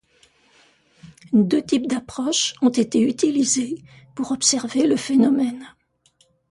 Deux types d’approches ont été utilisés pour observer le phénomène.